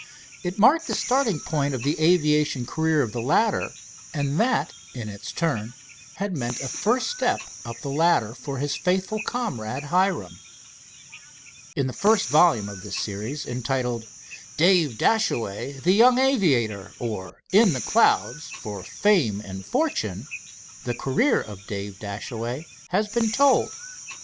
It marked the starting point in the aviation career of the latter, and that in its turn had meant a first step up the ladder for his faithful comrade, Hiram. In the first volume of this series, entitled: "Dave Dashaway, the Young Aviator; Or, In the Clouds for Fame and Fortune," the career of Dave Dashaway has been told.